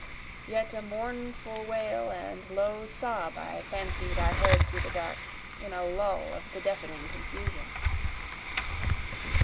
(Yet a mournful wall and low sob I fancied I heard through the dark, In a lull of the deafening confusion.)